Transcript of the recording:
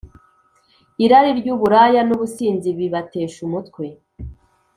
Irari ry’uburaya n’ubusinzi bibatesha umutwe,